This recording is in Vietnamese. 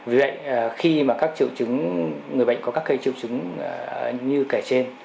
vì vậy khi mà các triệu chứng người bệnh có các triệu chứng như kể trên